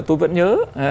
tôi vẫn nhớ